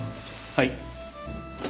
はい。